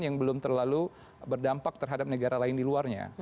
yang belum terlalu berdampak terhadap negara lain di luarnya